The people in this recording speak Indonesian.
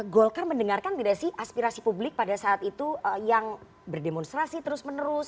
golkar mendengarkan tidak sih aspirasi publik pada saat itu yang berdemonstrasi terus menerus